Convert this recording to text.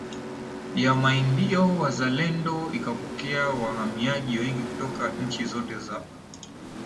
ya Maindio wazalendo ikapokea wahamiaji wengi kutoka nchi zote za